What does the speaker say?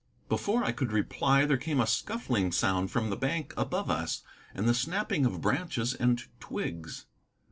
Before I could reply there came a scuffling sound from the bank above us, and the snapping of branches and twigs.